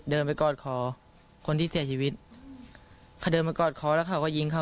เดินไปกอดคอคนที่เสียชีวิตเขาเดินมากอดคอแล้วเขาก็ยิงเขา